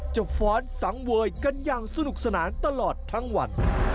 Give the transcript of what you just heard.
ฟ้อนสังเวยกันอย่างสนุกสนานตลอดทั้งวัน